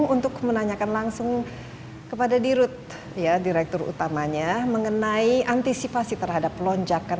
untuk menanyakan langsung kepada dirut ya direktur utamanya mengenai antisipasi terhadap lonjakan